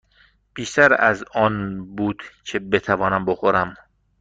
بیشتر از آن بود که بتوانم بخورم.